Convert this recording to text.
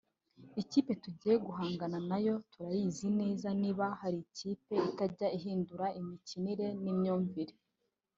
Ikipe tugiye guhangana nayo turayizi neza niba hari ikipe itajya ihindura imikinire n’imyumvire